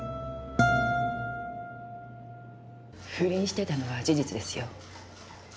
不倫してたのは事実ですよ。